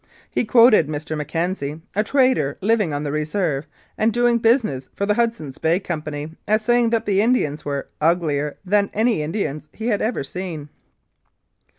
He quoted Mr. McKenzie, a trader living on the Reserve and doing business for the Hudson's Bay Company, as saying that the Indians were "uglier" than any Indians he had seen.